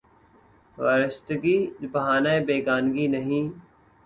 وارستگی بہانۂ بیگانگی نہیں